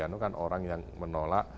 anu kan orang yang menolak